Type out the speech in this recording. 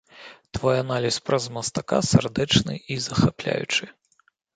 Твой аналіз праз мастака сардэчны і захапляючы.